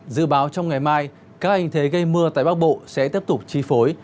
dự báo trong ngày mai các hình thế gây mưa tại bắc bộ sẽ tiếp tục chi phối